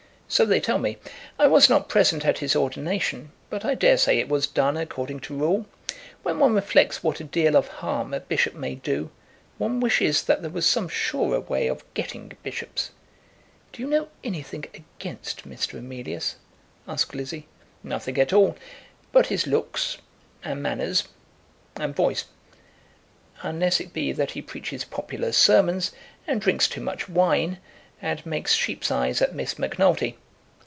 "So they tell me. I was not present at his ordination, but I daresay it was done according to rule. When one reflects what a deal of harm a bishop may do, one wishes that there was some surer way of getting bishops." "Do you know anything against Mr. Emilius?" asked Lizzie. "Nothing at all but his looks, and manners, and voice, unless it be that he preaches popular sermons, and drinks too much wine, and makes sheep's eyes at Miss Macnulty.